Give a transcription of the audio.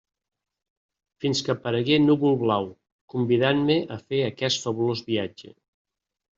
Fins que aparegué Núvol-Blau convidant-me a fer aquest fabulós viatge.